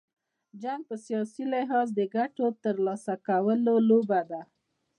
جنګ په سیاسي لحاظ، د ګټي تر لاسه کولو لوبه ده.